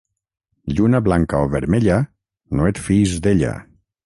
Lluna blanca o vermella, no et fiïs d'ella.